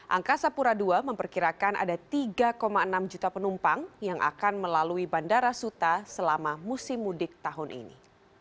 angkasa pura ii memperkirakan ada tiga enam juta penumpang yang akan melalui bandara suta selama musim mudik tahun ini